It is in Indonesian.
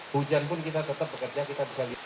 hujan pun kita tetap bekerja kita bisa lihat